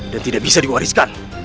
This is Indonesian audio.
dan tidak bisa diwariskan